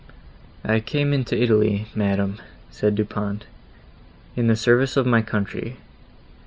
"I came into Italy, madam," said Du Pont, "in the service of my country.